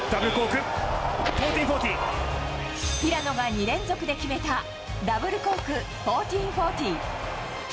平野が２連続で決めたダブルコーク１４４０。